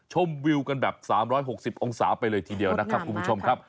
วิวกันแบบ๓๖๐องศาไปเลยทีเดียวนะครับคุณผู้ชมครับ